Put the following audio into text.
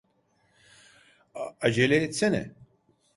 Acele etsene!